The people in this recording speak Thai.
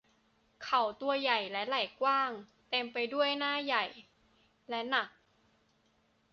เขาตัวใหญ่และไหล่กว้าง เต็มไปด้วยหน้าใหญ่และหนัก